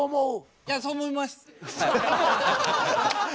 いやそう思います！